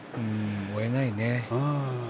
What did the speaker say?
追えないね。